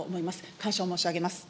感謝を申し上げます。